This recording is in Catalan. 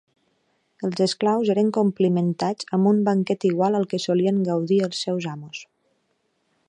Els esclaus eren complimentats amb un banquet igual al que solien gaudir els seus amos.